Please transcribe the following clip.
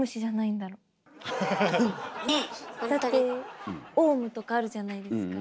だって王蟲とかあるじゃないですか。